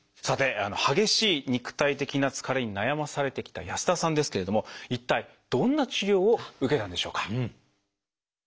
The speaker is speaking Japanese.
さて激しい肉体的な疲れに悩まされてきた安田さんですけれども一体どんな治療を受けたんでしょうか？